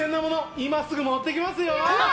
今すぐ持っていきますよ！